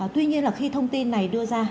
tuy nhiên là khi thông tin này đưa ra